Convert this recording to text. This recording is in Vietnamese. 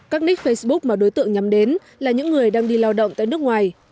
các nick facebook mà đối tượng nhắm đến là những người đang đi lao động tại nước ngoài